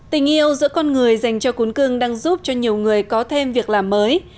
tình yêu giữa con người dành cho cuốn cưng đang giúp cho nhiều người có thêm việc làm mới